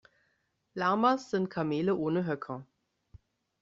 Lamas sind Kamele ohne Höcker.